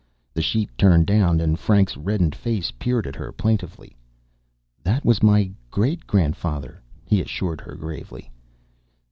The sheet turned down and Frank's reddened face peered at her plaintively. "That was my great grandfather," he assured her gravely.